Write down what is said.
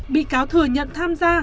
bị cáo thừa nhận tham gia